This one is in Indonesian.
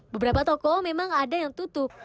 beberapa toko memang ada yang tutup